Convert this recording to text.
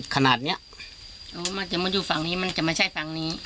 ขนาดนี้มันจะมาอยู่ฝั่งนี้จะมาไฦ่ฝั่งนี้